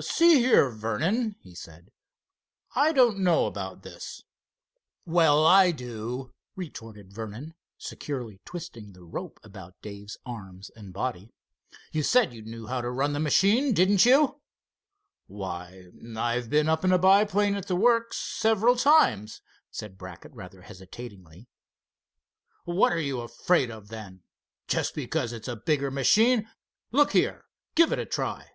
"See here, Vernon," he said, "I don't know about this." "Well, I do," retorted Vernon, securely twisting the rope about Dave's arms and body. "You said you knew how to run the machine, didn't you?" "Why, I've been up in a biplane at the works several times," said Brackett, rather hesitatingly. "What are you afraid of, then? Just because it's a bigger machine? Look here, give it a try."